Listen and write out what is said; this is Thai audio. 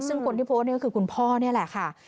ซึ่งคนที่โพสต์นี่ก็คือคุณพ่อนี่แหละค่ะ